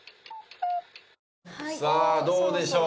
さあどうでしょう？